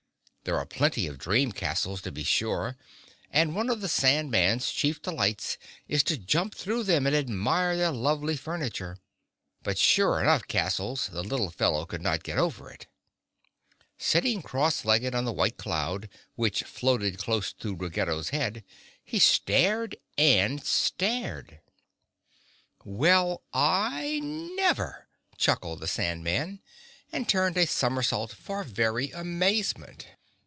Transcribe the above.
There are plenty of dream castles, to be sure, and one of the Sand Man's chief delights is to jump through them and admire their lovely furniture. But sure enough castles—the little fellow could not get over it. Sitting cross legged on the white cloud, which floated close to Ruggedo's head, he stared and stared. [Illustration: The Tin Woodman, oiling up his joints] "Well, I never," chuckled the Sand Man, and turned a somersault for very amazement.